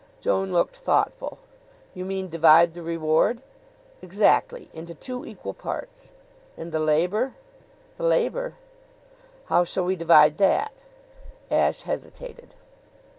Joan looked thoughtful. "You mean divide the reward?" "Exactly into two equal parts." "And the labor?" "The labor?" "How shall we divide that?" Ashe hesitated.